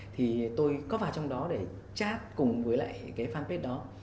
thì tôi có vào trong đó để chat cùng với lại cái fanpage đó